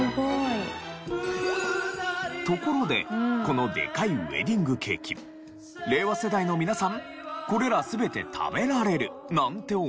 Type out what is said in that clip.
ところでこのでかいウエディングケーキ令和世代の皆さんこれら全て食べられるなんて思ってませんか？